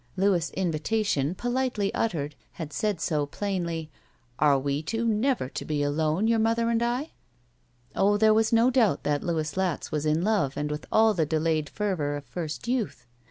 Louis' invitation, politely uttered, had said so plainly, "Are we two never to be alone, your mother and I?" Oh, there was no doubt that Louis Latz was in love and with all the delayed fervor of first youth.